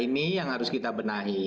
ini yang harus kita benahi